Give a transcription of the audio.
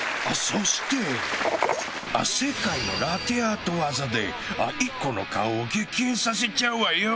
そして世界のラテアート技でＩＫＫＯの顔を激変させちゃうわよ